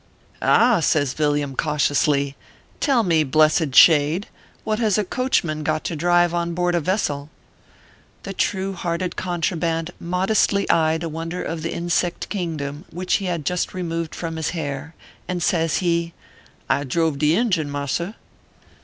"Ah !" says Villiam, cautiously, " tell me, blessed shade, what has a coachman got to drive on board a vessel ?" The true hearted contraband modestly eyed a won der of the insect kingdom which he had just removed from his hair, and says he :" I drove de ingine, mars r."